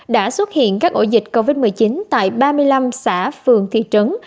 đã xuất hiện các ổ dịch covid một mươi chín tại ba mươi năm xã phường thị trấn